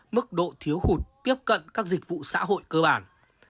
mức độ thiếu hụt tiếp cận các dịch vụ xã hội cơ bản